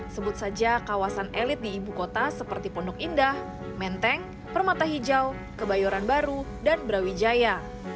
sebut saja kawasan elit di ibu kota seperti pondok indah menteng permata hijau kebayoran baru dan brawijaya